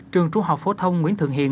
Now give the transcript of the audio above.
trường trung học phổ thông nguyễn thường hiền